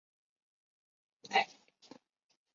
歧伞香茶菜为唇形科香茶菜属下的一个种。